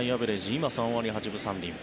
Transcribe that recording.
今、３割８分３厘。